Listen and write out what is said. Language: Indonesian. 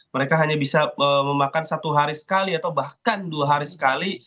mereka hanya bisa memakan satu hari sekali atau bahkan dua hari sekali